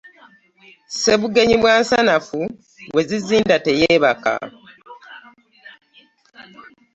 Ssebugenyi bwa nsanafu gwe zizinda teyeebaka.